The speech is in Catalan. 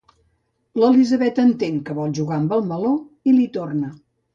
L'Elisabet entén que vol jugar amb el meló i li torna.